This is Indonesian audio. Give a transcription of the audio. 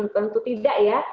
tentu tidak ya